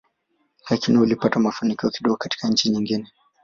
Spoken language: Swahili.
Lakini ulipata mafanikio kidogo katika nchi nyingine.